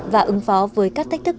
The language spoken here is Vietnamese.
và ứng phó với các thách thức